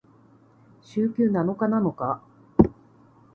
週休七日なのか？